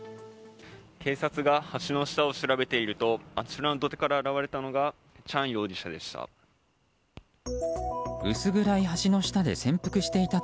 警察が橋の下を調べているとあちらの土手から現れたのがチャン容疑者でした。